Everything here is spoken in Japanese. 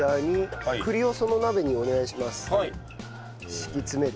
敷き詰める。